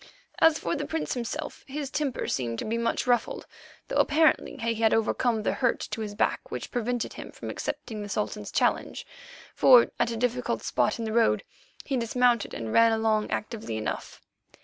As for the Prince himself, his temper seemed to be much ruffled, although apparently he had overcome the hurt to his back which prevented him from accepting the Sultan's challenge, for at a difficult spot in the road he dismounted and ran along actively enough.